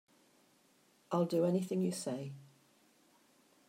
I'll do anything you say.